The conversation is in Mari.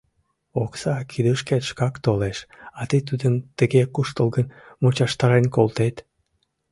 Окса кидышкет шкак толеш, а тый тудым тыге куштылгын мучыштарен колтет...